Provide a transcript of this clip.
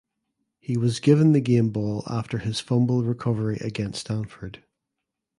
He was given the game ball after his fumble recovery against Stanford.